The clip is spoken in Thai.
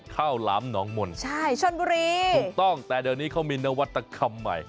หลามหนองมนต์ใช่ชนบุรีถูกต้องแต่เดี๋ยวนี้เขามีนวัตกรรมใหม่